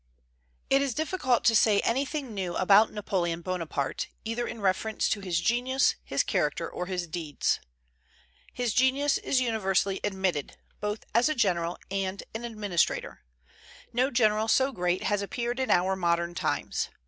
It is difficult to say anything new about Napoleon Bonaparte, either in reference to his genius, his character, or his deeds. His genius is universally admitted, both as a general and an administrator. No general so great has appeared in our modern times.